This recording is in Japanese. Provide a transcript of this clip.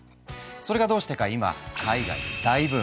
それがどうしてか今海外で大ブーム。